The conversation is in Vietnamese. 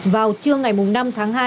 vào trưa ngày năm tháng năm